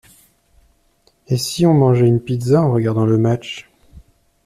Et si on mangeait une pizza en regardant le match?